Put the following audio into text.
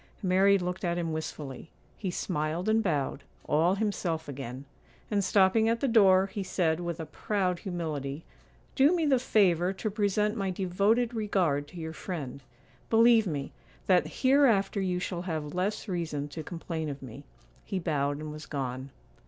Mary looked at him wistfully; he smiled and bowed, all himself again; and stopping at the door, he said, with a proud humility, 'Do me the favour to present my devoted regard to your friend; believe me, that hereafter you shall have less reason to complain of me.' He bowed and was gone.